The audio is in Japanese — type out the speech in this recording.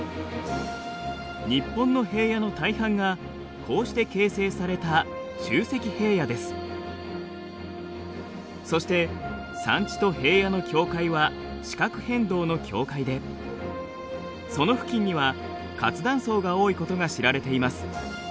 日本の平野の大半がこうして形成されたそして山地と平野の境界は地殻変動の境界でその付近には活断層が多いことが知られています。